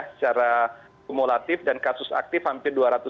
secara kumulatif dan kasus aktif hampir dua ratus